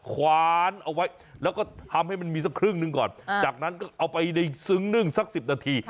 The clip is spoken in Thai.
คว้านเอาไว้แล้วก็ทำให้มันมีสักครึ่งหนึ่งก่อนจากนั้นก็เอาไปในซึ้งนึ่งสัก๑๐นาที